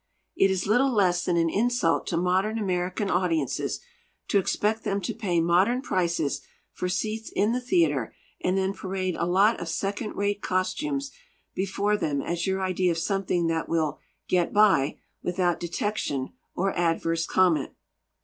It is little less than an insult to modern American audiences to expect them to pay modern prices for seats in the theatre and then parade a lot of second rate costumes before them as your idea of something that will "get by" without detection or adverse comment.